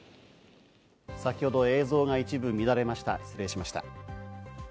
先ほど映像が一部乱れました、失礼しました。